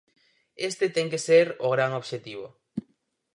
Este ten que ser o gran obxectivo.